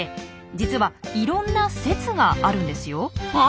実はいろんな説があるんですよ。は？